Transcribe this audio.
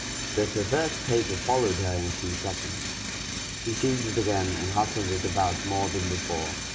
The perverse paper followed her in a few seconds. She seized it again, and hustled it about more than before.